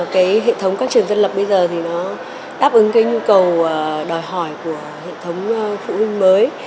cái hệ thống các trường dân lập bây giờ thì nó đáp ứng cái nhu cầu đòi hỏi của hệ thống phụ huynh mới